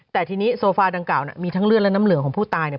แต่ทีนี้โซฟาดังกล่ามีทั้งเลือดและน้ำเหลืองของผู้ตายเนี่ย